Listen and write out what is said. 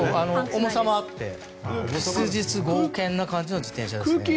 重さもあって質実剛健な感じの自転車という。